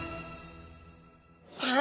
さあ